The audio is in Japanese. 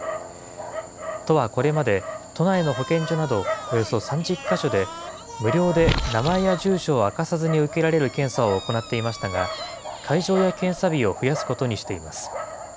都はこれまで、都内の保健所など、およそ３０か所で、無料で名前や住所を明かさずに受けられる検査を行っていましたが、会場や検査日を増やすことにしています。